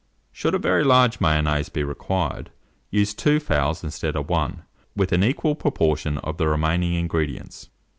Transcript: Should a very large Mayonnaise be required, use 2 fowls instead of 1, with an equal proportion of the remaining ingredients.